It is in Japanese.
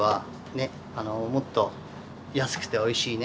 もっと安くておいしいね